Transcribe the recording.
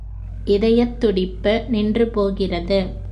இதயத் துடிப்பு நின்று போகிறது.